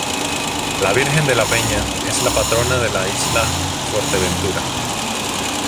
La Virgen de la Peña, es la Patrona de la isla de Fuerteventura.